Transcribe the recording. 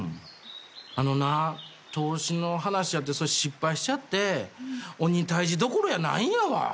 あのな投資の話あってそれ失敗しちゃって鬼退治どころやないんやわ。